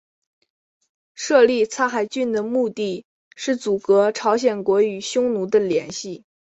设立苍海郡的目的是阻隔朝鲜国与匈奴的联系。